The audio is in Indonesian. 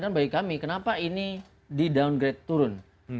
dan bagi kami kenapa ini di downgrade turun